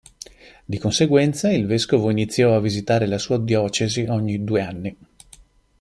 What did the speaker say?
Di conseguenza, il vescovo iniziò a visitare la sua diocesi ogni due anni.